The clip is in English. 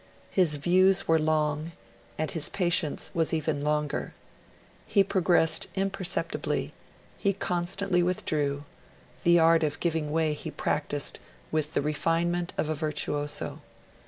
His views were long, and his patience was even longer. He progressed imperceptibly; he constantly withdrew; the art of giving way he practised with the refinement of a virtuoso.